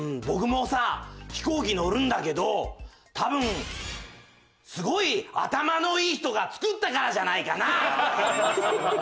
僕もさ飛行機乗るんだけど多分すごい頭のいい人が作ったからじゃないかな？